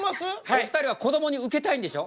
お二人はこどもにウケたいんでしょ？